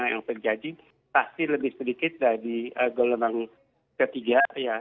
yang terjadi pasti lebih sedikit dari gelombang ketiga ya